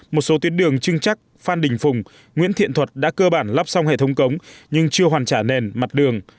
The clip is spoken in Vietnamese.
một số tuyến đường trưng chắc phan đình phùng nguyễn thiện thuật đã cơ bản lắp xong hệ thống cống nhưng chưa hoàn trả nền mặt đường